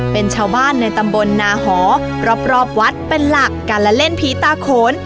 เป็นชาวบ้านในตำบลนาหอรอบวัดเป็นหลักการละเล่นผีตาโขน